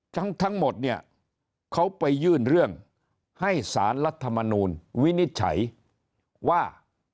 ทั้งหมดเนี่ยเขาไปยื่นเรื่องให้สารรัฐมนูลวินิจฉัยว่า